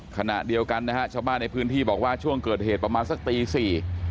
ขณะเดียวกันนะฮะชาวบ้านในพื้นที่บอกว่าช่วงเกิดเหตุประมาณสักตีสี่